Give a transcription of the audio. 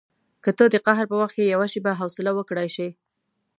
که ته د قهر په وخت کې یوه شېبه حوصله وکړای شې.